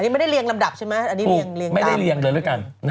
ไม่ได้เรียงลำดับนะใช่ไหม